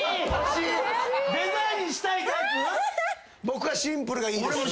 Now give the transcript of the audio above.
僕はシンプルがいいです。